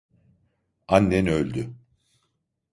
Annen öldü.